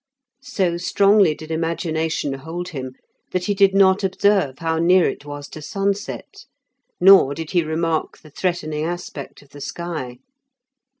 So strongly did imagination hold him that he did not observe how near it was to sunset, nor did he remark the threatening aspect of the sky.